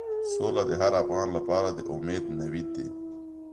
سوله د هر افغان لپاره د امید نوید دی.